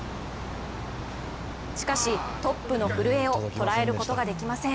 しかしトップの古江を捉えることができません。